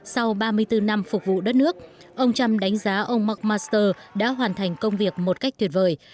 sau ba mươi bốn năm phục vụ đất nước ông trump đánh giá ông mark master đã hoàn thành công việc một cách tuyệt vời